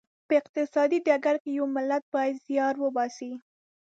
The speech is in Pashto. په اقتصادي ډګر کې یو ملت باید زیار وباسي.